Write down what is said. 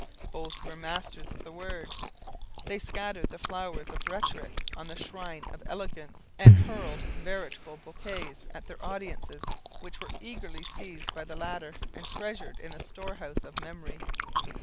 Both were masters of words, they scattered the flowers of rhetoric on the shrine of eloquence and hurled veritable bouquets at their audiences which were eagerly seized by the latter and treasured in the storehouse of memory.